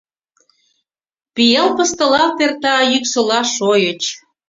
Пиал пыстылалт эрта йӱксыла шойыч.